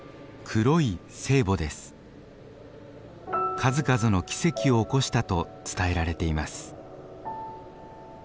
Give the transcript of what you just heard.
数々の奇跡を起こしたと伝えられています。